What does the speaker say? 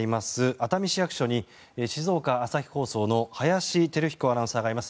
熱海市役所に静岡朝日放送の林輝彦アナウンサーがいます。